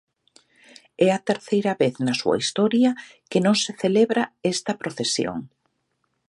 É a terceira vez na súa historia que non se celebra esta procesión.